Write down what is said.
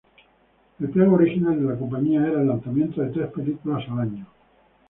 El plan original de la compañía era el lanzamiento de tres películas por año.